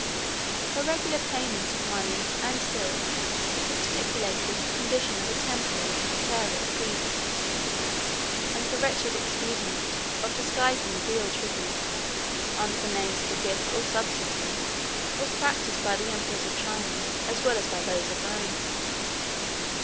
35 A regular payment of money, and silk, was stipulated as the condition of a temporary and precarious peace; and the wretched expedient of disguising a real tribute, under the names of a gift or subsidy, was practised by the emperors of China as well as by those of Rome.